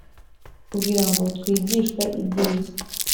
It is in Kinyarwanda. Kugira ngo twigishwe ibyiza